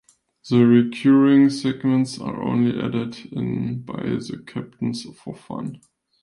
The recurring segments are only added in by the captains for fun.